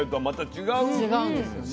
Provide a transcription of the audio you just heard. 違うんですよね。